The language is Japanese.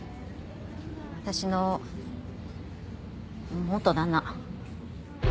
私の元旦那。